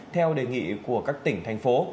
theo đề nghị của các tỉnh thành phố